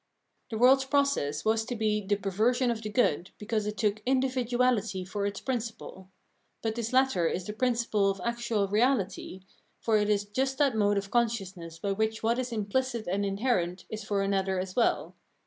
The world's process was to be the perversion of the good, because it took individuality for its principle. But this latter is the principle of actual reality, for it is just that mode of consciousness by which what is impKcit and inherent is for an other as well.